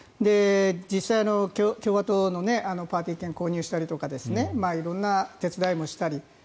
実際、共和党のパーティー券を購入したりとか色んな手伝いもしたり。